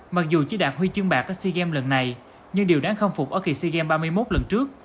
mặc dù chỉ đạt huy chương bạc tại sea games lần này nhưng điều đáng khâm phục ở kỳ sea games ba mươi một lần trước